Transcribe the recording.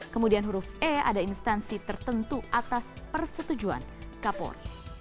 kemudian huruf e ada instansi tertentu atas persetujuan kapolri